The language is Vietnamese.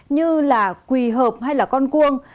như quỳ hợp hay con cuông